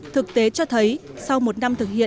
thực tế cho thấy sau một năm thực hiện